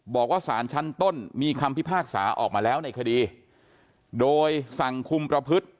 บอกว่าสารชั้นต้นมีคำพิพากษาออกมาแล้วในคดีโดยสั่งคุมประพฤติ